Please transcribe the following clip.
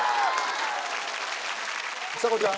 ちさ子ちゃん。